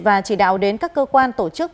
và chỉ đạo đến các cơ quan tổ chức